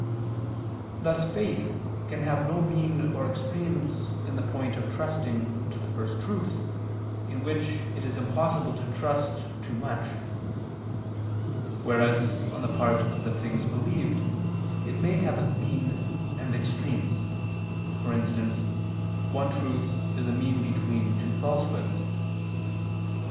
Thus faith can have no mean or extremes in the point of trusting to the First Truth, in which it is impossible to trust too much; whereas on the part of the things believed, it may have a mean and extremes; for instance one truth is a mean between two falsehoods.